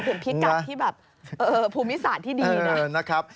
เป็นพิกัดที่แบบภูมิศาสตร์ที่ดีนะครับ